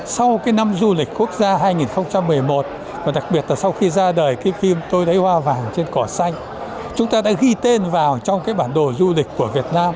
sau năm du lịch quốc gia hai nghìn một mươi một đặc biệt là sau khi ra đời phim tôi đấy hoa vàng trên cỏ xanh chúng ta đã ghi tên vào trong bản đồ du lịch của việt nam